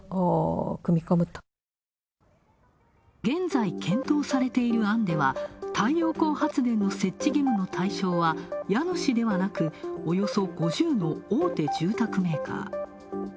現在、検討されている案では太陽光発電の設置義務の対象は家主ではなく、およそ５０の大手住宅メーカー。